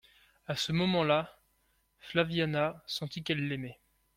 A ce moment-là, Flaviana sentit qu'elle l'aimait.